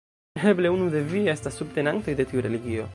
Eble unu de vi estas subtenantoj de tiu religio.